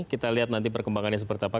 kita lihat nanti perkembangannya seperti apa